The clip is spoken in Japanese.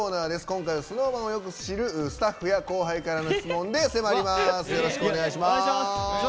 今回はＳｎｏｗＭａｎをよく知るスタッフや後輩からの質問で迫ります。